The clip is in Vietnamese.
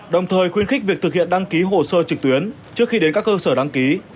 đồng thời khuyến khích việc thực hiện đăng ký hồ sơ trực tuyến trước khi đến các cơ sở đăng ký